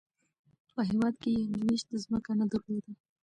په هیواد کې یې لویشت ځمکه نه درلوده.